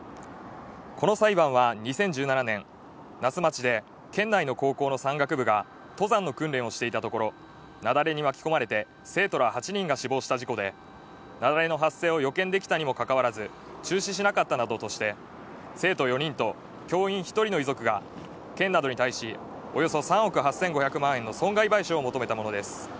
この裁判は２０１７年那須町で県内の高校の山岳部が登山の訓練をしていたところ雪崩に巻き込まれて、生徒ら８人が死亡した事故で、雪崩の発生を予見できたにもかかわらず、中止しなかったなどとして、生徒４人と教員１人の遺族が県などに対し、およそ３億８５００万円の損害賠償を求めたものです。